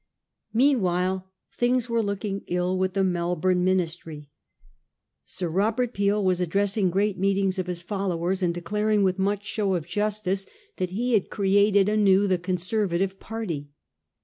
Meanwhile things were looking ill with the Mel bourne Ministry. Sir Robert Peel was addressing great meetings of his followers, and declaring with much show of justice that he had created anew the Conservative party.